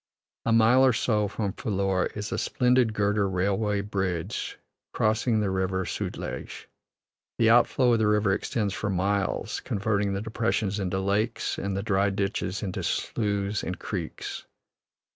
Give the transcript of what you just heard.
A mile or so from Phillour is a splendid girder railway bridge crossing the River Sutlej. The overflow of the river extends for miles, converting the depressions into lakes and the dry ditches into sloughs and creeks.